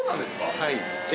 はい。